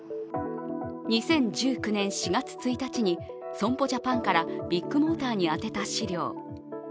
２０１９年４月１日に損保ジャパンからビッグモーターに宛てた資料。